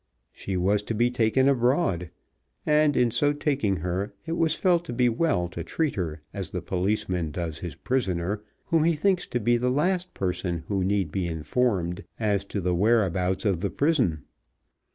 She was to be taken abroad; and, in so taking her, it was felt to be well to treat her as the policeman does his prisoner, whom he thinks to be the last person who need be informed as to the whereabouts of the prison.